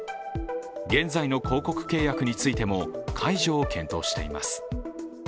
現在の広告契約についても、解除を検討しています。